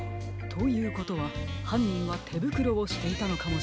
ということははんにんはてぶくろをしていたのかもしれませんね。